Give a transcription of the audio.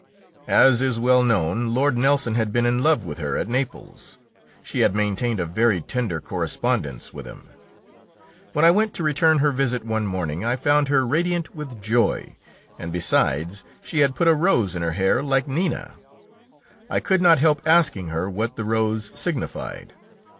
As is well known, Lord Nelson had been in love with her at Naples; she had maintained a very tender correspondence with him. When I went to return her visit one morning, I found her radiant with joy, and besides she had put a rose in her hair, like Nina. I could not help asking her what the rose signified.